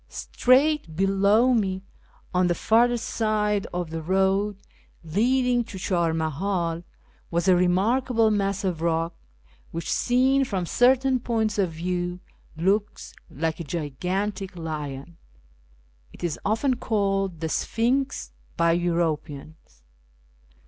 Straight below me, on the farther side of the road leading to Char Mahal, was a remarkable mass of rock, which, seen from certain points of view, looks like a gigantic lion. It is often called " the Sphinx " by Europeans.